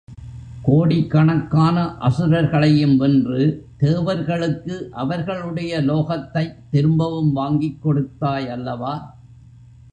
கோடிக் கணக்கான அசுரர்களையும் வென்று, தேவர்களுக்கு அவர்களுடைய லோகத்தைத் திரும்பவும் வாங்கிக் கொடுத்தாய் அல்லவா?